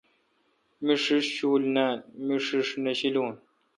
می ݭیݭ شوُل نان۔۔۔۔می ݭیݭ نہ شیلون